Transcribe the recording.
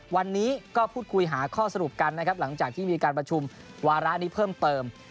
วันนี้ก็พูดคุยหาข้อสรุปกันนะครับหลังจากที่มีการประชุมวาระนี้เพิ่มเติม